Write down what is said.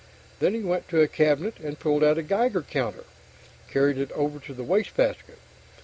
Then he went to a cabinet and pulled out a Geiger counter, carried it over to the wastebasket.